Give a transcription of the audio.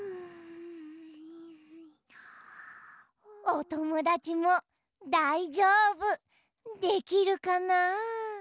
おともだちもだいじょうぶできるかな？